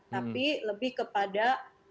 tapi lebih kepada